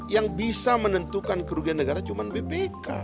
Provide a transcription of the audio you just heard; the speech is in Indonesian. yang bisa menentukan kerugian negara cuma bpk